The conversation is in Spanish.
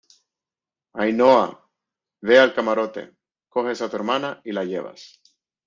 Ainhoa, ve al camarote , coges a tu hermana y la llevas